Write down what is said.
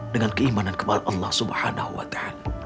dengan keimanan kemahal allah subhanahu wa ta'ala